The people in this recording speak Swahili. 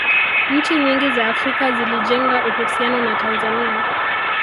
nchi nyingi za afrika zilijenga uhusiano na tanzania